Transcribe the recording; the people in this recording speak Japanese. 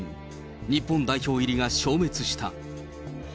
日本代表入りが消滅した。